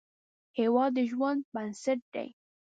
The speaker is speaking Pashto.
هیواد د ژوند بنسټ دی